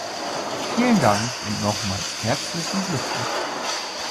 Vielen Dank, und nochmals herzlichen Glückwunsch.